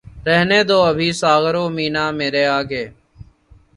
رہنے دو ابھی ساغر و مینا مرے آگے